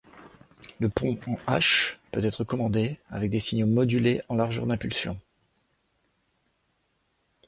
Le pont en H peut être commandé avec des signaux modulés en largeur d'impulsion.